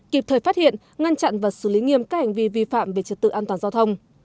kịp thời phát hiện ngăn chặn và xử lý nghiêm các hành vi vi phạm về trật tự an toàn giao thông